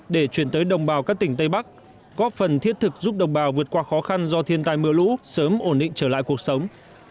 để chuyển tới đồng bào các tỉnh tây bắc có phần thiết thực giúp đồng bào vượt qua khó khăn do thiên tai mưa lũ sớm ổn định trở lại cuộc sống